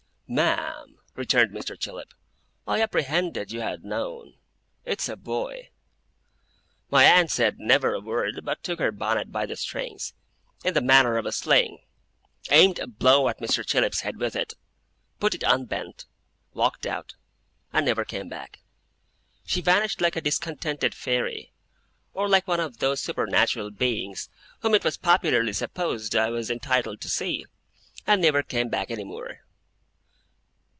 'Ma'am,' returned Mr. Chillip, 'I apprehended you had known. It's a boy.' My aunt said never a word, but took her bonnet by the strings, in the manner of a sling, aimed a blow at Mr. Chillip's head with it, put it on bent, walked out, and never came back. She vanished like a discontented fairy; or like one of those supernatural beings, whom it was popularly supposed I was entitled to see; and never came back any more.